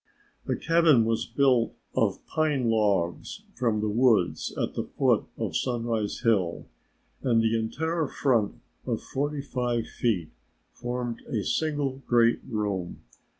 The cabin was built of pine logs from the woods at the foot of Sunrise Hill and the entire front of forty five feet formed a single great room.